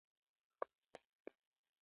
د فکر خلک د لاملونو مطالعه نه کوي